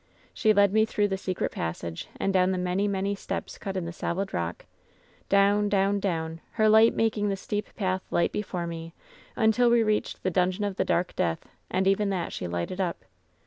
She led me through the secret passage and down the many, many steps cut in the solid rock, down, down, down, her light making the steep path light before me until we reached the Dungeon of the Dark Death — and even that she lighted up.